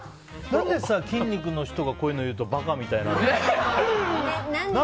何でさ筋肉の人がこういうのを言うと馬鹿みたいな。